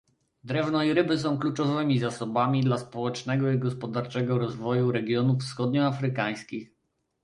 Drewno i ryby są kluczowymi zasobami dla społecznego i gospodarczego rozwoju regionów wschodnioafrykańskich